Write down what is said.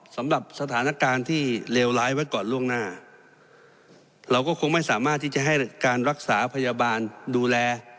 สำหรับสถานการณ์ที่เลวร้ายไว้ก่อนล่วงหน้าเราก็คงไม่สามารถที่จะให้การรักษาพยาบาลดูแล